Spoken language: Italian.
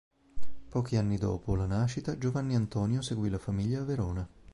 Pochi anni dopo la nascita Giovanni Antonio seguì la famiglia a Verona.